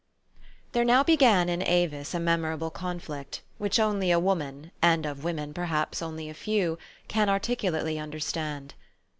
THERE now began in Avis a memorable conflict, which only a woman, and of women perhaps only a few, can articulately understand.